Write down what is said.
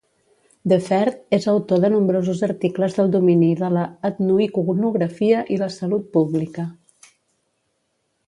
Defert és autor de nombrosos articles del domini de la etnoiconografia i la salut pública.